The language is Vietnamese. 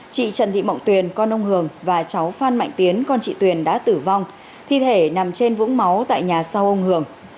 chị trần thị mộng tuyền con ông hường và cháu phan mạnh tiến con chị tuyền đã tử vong thi thể nằm trên vũng máu tại nhà sau ông hường